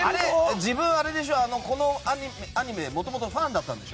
自分、このアニメもともとファンだったんでしょ。